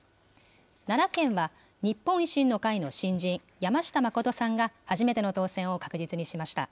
奈良県は、日本維新の会の新人、山下真さんが初めての当選を確実にしました。